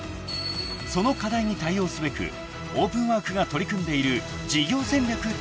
［その課題に対応すべくオープンワークが取り組んでいる事業戦略とは］